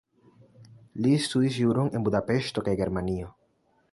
Li studis juron en Budapeŝto kaj Germanio.